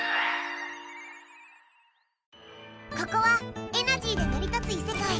ここはエナジーでなり立ついせかい。